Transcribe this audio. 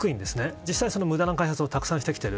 実際、無駄な開発をたくさんしてきている。